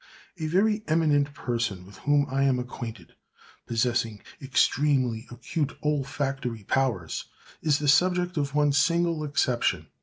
A very eminent person, with whom I am acquainted, possessing extremely acute olfactory powers, is the subject of one single exception.